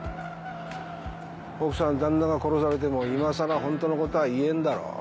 奥さん旦那が殺されても今更本当のことは言えんだろう。